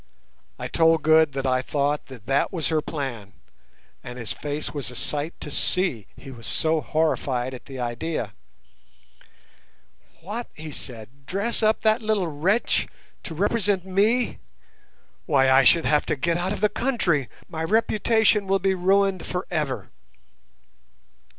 I told Good that I thought that that was her plan, and his face was a sight to see—he was so horrified at the idea. "What," he said, "dress up that little wretch to represent me? Why, I shall have to get out of the country! My reputation will be ruined for ever."